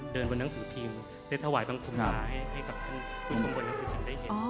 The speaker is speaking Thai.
บนหนังสือพิมพ์ได้ถวายบังคมนาให้กับท่านผู้ชมบนหนังสือพิมพ์ได้เห็น